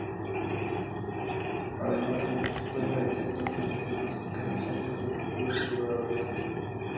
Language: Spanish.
Además de esta escuela el sector cuenta con dos pequeños centros educativos privados.